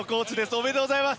おめでとうございます。